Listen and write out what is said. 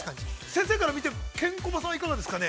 ◆先生から見て、ケンコバさんはいかがですかね。